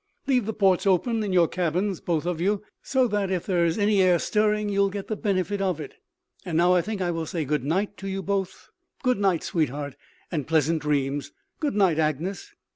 Leave the ports open in your cabins, both of you, so that if there is any air stirring you will get the benefit of it. And now I think I will say good night to you both. Good night, sweetheart, and pleasant dreams. Good night, Agnes."